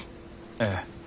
ええ。